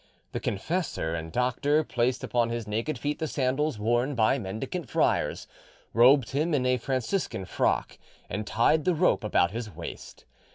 The confessor and doctor placed upon his naked feet the sandals worn by mendicant friars, robed him in a Franciscan frock, and tied the rope about his waist.